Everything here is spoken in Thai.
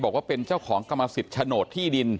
บอกว่าเป็นเจ้าของกรรมสิทธิ์โฉนดที่ดิน